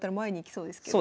そうですね。